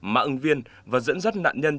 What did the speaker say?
mạng ứng viên và dẫn dắt nạn nhân